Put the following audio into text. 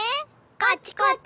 こっちこっち。